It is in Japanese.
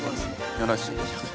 よろしいでしょうか。